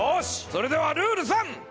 それではルール３！